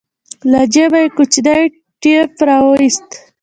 له جيبه يې کوچنى ټېپ راوايست.